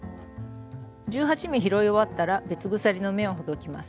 １８目拾い終わったら別鎖の目をほどきます。